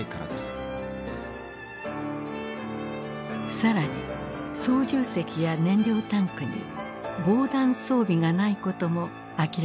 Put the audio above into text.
更に操縦席や燃料タンクに防弾装備がないことも明らかとなった。